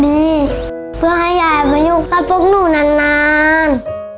เพื่อให้ยายมาอยู่กับพวกหนูนาน